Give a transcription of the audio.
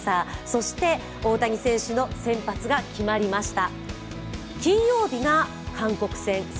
そして大谷選手の先発が決まりました。